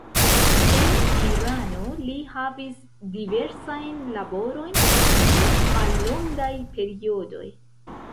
En Irano li havis diversajn laborojn dum mallongaj periodoj.